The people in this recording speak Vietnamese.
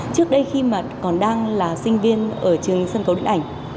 trước đây khi mà còn đang là sinh viên ở trường sân khấu điện ảnh